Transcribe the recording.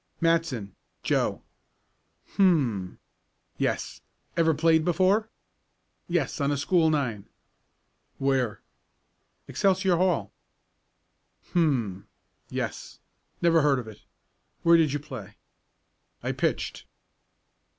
"Matson Joe." "Hum. Yes. Ever played before?" "Yes, on a school nine." "Where?" "Excelsior Hall." "Hum! Yes. Never heard of it. Where did you play?" "I pitched."